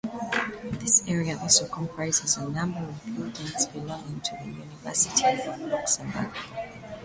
This area also comprises a number of buildings belonging to the University of Luxembourg.